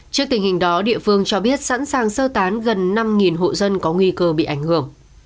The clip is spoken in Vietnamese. trước tình hình đó địa phương cho biết sẵn sàng sơ tán gần năm hộ dân có nguy cơ bị ảnh hưởng